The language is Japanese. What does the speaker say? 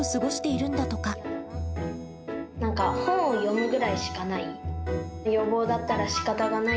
なんか本を読むぐらいしかない。